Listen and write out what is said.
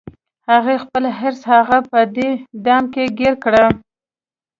د هغې خپل حرص هغه په دې دام کې ګیر کړه